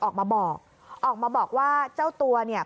ออกมาบอกออกมาบอกว่าเจ้าตัวเนี่ย